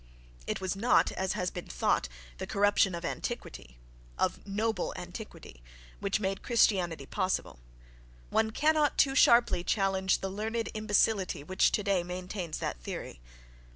It was not, as has been thought, the corruption of antiquity, of noble antiquity, which made Christianity possible; one cannot too sharply challenge the learned imbecility which today maintains that theory.